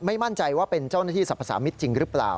มั่นใจว่าเป็นเจ้าหน้าที่สรรพสามิตรจริงหรือเปล่า